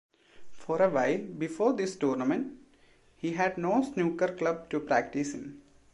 For a while before this tournament, he had no snooker club to practice in.